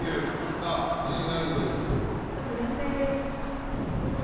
さあ自信あるみたいですけど。